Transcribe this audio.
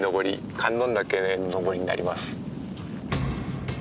観音岳の登りになります。